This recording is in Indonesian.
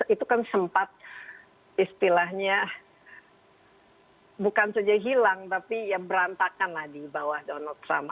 itu kan sempat istilahnya bukan saja hilang tapi ya berantakan lah di bawah donald trump